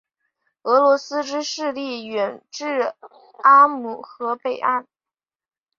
俄罗斯之势力远至阿姆河北岸。